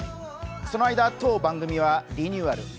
その間、当番組はリニューアル。